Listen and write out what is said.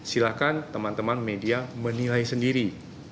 silahkan teman teman media menilai sendiri